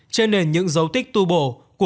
trên nền những dấu tích tu bố